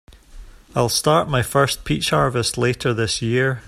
I'll start my first peach harvest later this year.